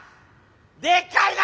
でっかいな！